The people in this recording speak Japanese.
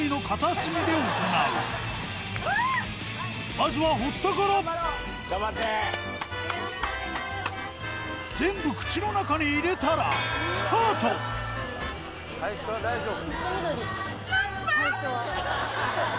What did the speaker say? まずは堀田から全部口の中に入れたら最初は大丈夫。